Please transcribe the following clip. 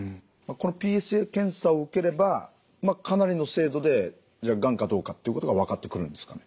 このＰＳＡ検査を受ければかなりの精度でがんかどうかっていうことが分かってくるんですか？